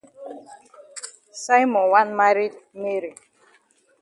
Simon wan maret Mary.